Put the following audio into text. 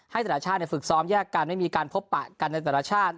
แต่ละชาติฝึกซ้อมแยกกันไม่มีการพบปะกันในแต่ละชาติ